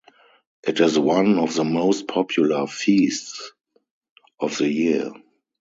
It is one of the most popular feasts of the year.